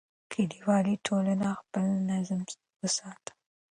کلیوالي ټولنې خپل نظم وساته.